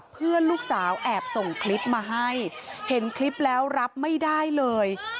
เพื่อนลูกสาวแอบส่งคลิปมาให้เห็นคลิปแล้วรับไม่ได้เลย